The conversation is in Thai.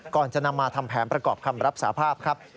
ก่อนจะนำมาทำแผนประกอบคำรับสาภาพครับ